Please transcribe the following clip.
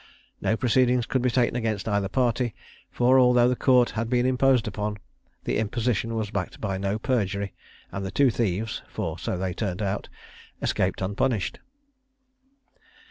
No proceedings could be taken against either party; for although the Court had been imposed upon, the imposition was backed by no perjury, and the two thieves for so they turned out escaped unpunished.